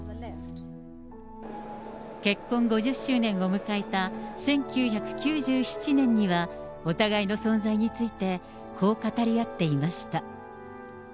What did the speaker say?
結婚５０周年を迎えた１９９７年には、お互いの存在について、こう語り合っていました。